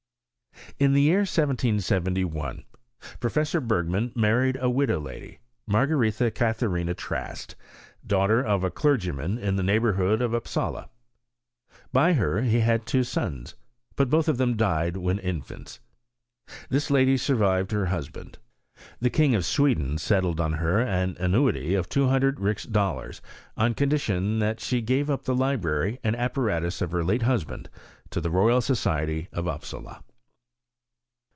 In the year 1771, Professor Bergman married a widow lady, Margaretlia Catharina Traat, daughter of a clei^iyman in the neighbourhood of Upsalfl. By her he had two sons; but both of them died when infants. This lady survived her husband. The King of Sweden settled on her an annuity of 200 ris dollars, on condition that she gave up the library and apparatus of her late husband to the Royal Society of Upsala.